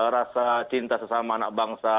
rasa cinta sesama anak bangsa